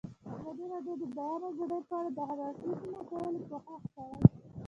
ازادي راډیو د د بیان آزادي په اړه د هر اړخیزو مسایلو پوښښ کړی.